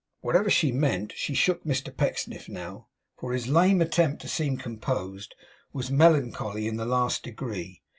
Whatever she meant, she shook Mr Pecksniff now; for his lame attempt to seem composed was melancholy in the last degree.